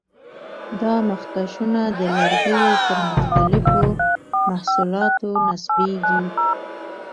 دا مخکشونه د لرګیو پر مختلفو محصولاتو نصبېږي.